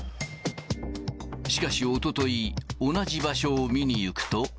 しかしおととい、同じ場所を見に行くと。